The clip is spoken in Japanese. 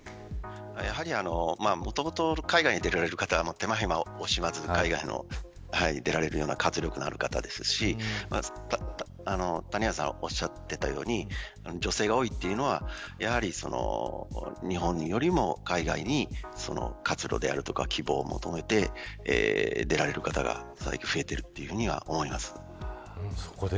やはり、もともと海外に出られる方は、手間暇を惜しまず海外に出られる活力のある方ですし谷原さんがおっしゃっていたように、女性が多いというのは日本よりも海外に活路であるとか希望を求めて出られる方が増えているというふうに思います。